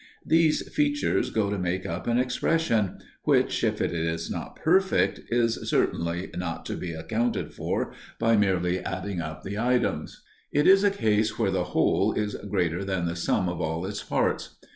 These features go to make up an expression, which, if it is not perfect, is certainly not to be accounted for by merely adding up the items. It is a case where the whole is greater than the sum of all its parts.